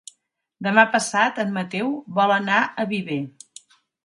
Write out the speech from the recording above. Demà passat en Mateu vol anar a Viver.